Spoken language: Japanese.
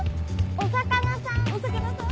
お魚さん？